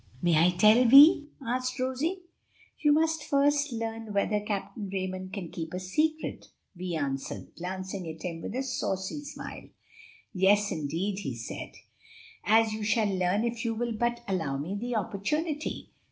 "May I tell, Vi?" asked Rosie. "We must first learn whether Captain Raymond can keep a secret," Vi answered, glancing at him with a saucy smile. "Yes, indeed!" he said, "as you shall learn if you will but allow me the opportunity."